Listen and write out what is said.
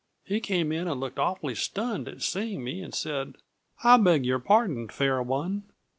He came in and looked awfully stunned at seeing me and said, 'I beg your pardon, fair one'."